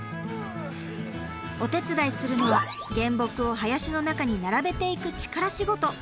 お手伝いするのは原木を林の中に並べていく力仕事。